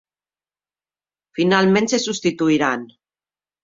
Finalment se substituiran.